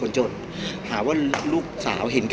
พี่อัดมาสองวันไม่มีใครรู้หรอก